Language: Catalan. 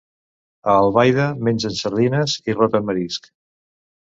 A Albaida mengen sardines i roten marisc.